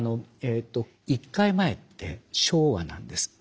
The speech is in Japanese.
１回前って昭和なんです。